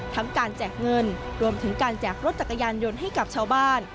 การแจกเงินรวมถึงการแจกรถจักรยานยนต์ให้กับชาวบ้าน